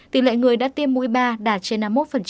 tỷ lệ người đã tiêm mũi ba đạt trên năm mươi một